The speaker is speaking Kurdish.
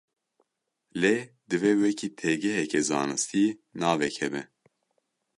Lê divê wekî têgiheke zanistî navek hebe.